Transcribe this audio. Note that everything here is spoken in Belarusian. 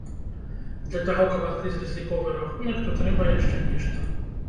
Для таго, каб адкрыць разліковы рахунак, то трэба яшчэ нешта.